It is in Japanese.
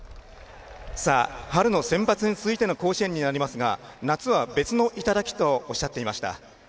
春のセンバツに続いての甲子園になりますが夏は別の頂とおっしゃっていました。